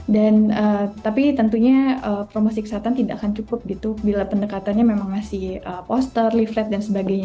dan tapi tentunya promosi kesehatan tidak akan cukup gitu bila pendekatannya memang masih poster leaflet dan sebagainya